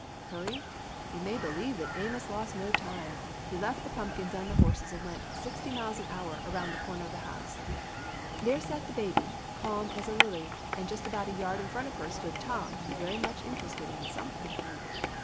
Hurry? You may believe that Amos lost no time. He left the pumpkins and the horses and went, sixty miles an hour, around the corner of the house. There sat the baby, calm as a lily, and just about a yard in front of her stood Tom, very much interested in something.